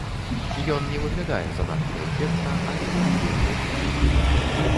Ён не выглядае занадта эфектна, але ён вельмі эфектыўны.